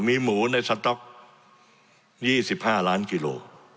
มีหมูในสต๊อก๒๕ล้านกิโล